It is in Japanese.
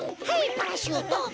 パラシュート。